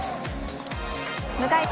迎えた